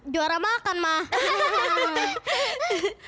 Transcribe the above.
juara makan mak